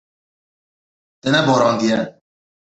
Te neborandiye.